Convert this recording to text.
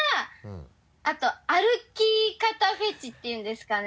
あと歩き方フェチっていうんですかね？